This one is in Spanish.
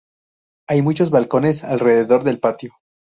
Hay muchos balcones alrededor del patio.